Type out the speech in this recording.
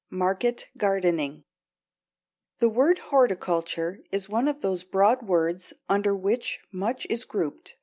MARKET GARDENING The word horticulture is one of those broad words under which much is grouped.